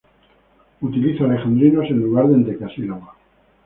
Utiliza alejandrinos en lugar de endecasílabos.